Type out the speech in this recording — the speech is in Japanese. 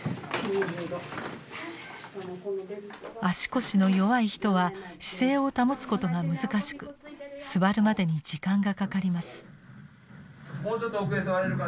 足腰の弱い人は姿勢を保つことが難しく座るまでに時間がかかります。